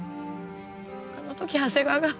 あの時長谷川があんな